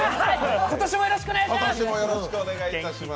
今年もよろしくお願いします！